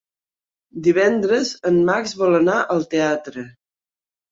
Divendres en Max vol anar al teatre.